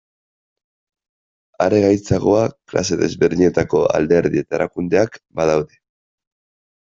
Are gaitzagoa klase desberdinetako alderdi eta erakundeak badaude.